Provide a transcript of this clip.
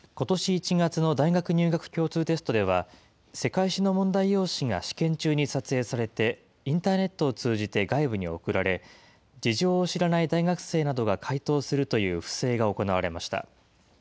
１月の大学入学共通テストでは、世界史の問題用紙が試験中に撮影されて、インターネットを通じて外部に送られ、事情を知らない大学生などが解答するという不正が行われました。